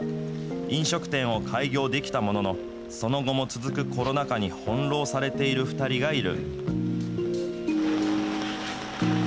飲食店を開業できたものの、その後も続くコロナ禍に翻弄されている２人がいる。